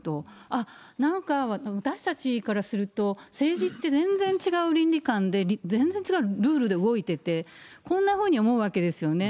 あっ、なんか私たちからすると、政治って全然違う倫理観で、全然違うルールで動いてて、こんなふうに思うわけですよね。